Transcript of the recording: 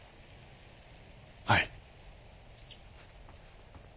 はい。